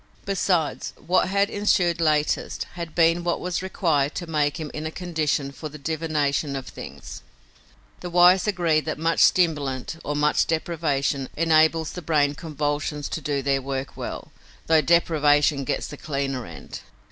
Besides, what had ensued latest had been what was required to make him in a condition for the divination of things. The wise agree that much stimulant or much deprivation enables the brain convolutions to do their work well, though deprivation gets the cleaner end.